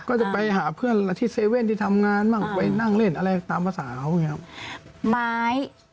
ก็จะไปหาเพื่อนที่เซเว่นที่ทำงานบ้างไปนั่งเล่นอะไรตามภาษาเขาอย่างนี้ครับ